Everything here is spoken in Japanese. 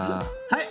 はい？